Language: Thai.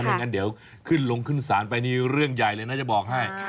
ไม่งั้นเดี๋ยวขึ้นลงขึ้นสารไปเรื่องใหญ่เลยน่าจะบอกให้